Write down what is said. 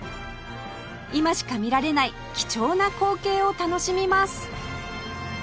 今しか見られない貴重な光景を楽しみます